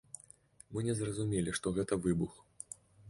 Мы не зразумелі, што гэта выбух.